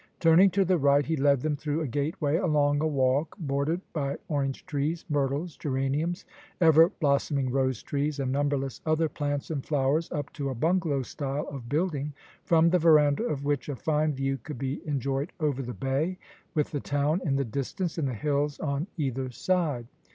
Turning to the right, he led them through a gateway, along a walk bordered by orange trees, myrtles, geraniums, ever blossoming rose trees, and numberless other plants and flowers, up to a bungalow style of building, from the verandah of which a fine view could be enjoyed over the bay, with the town in the distance, and the hills on either side.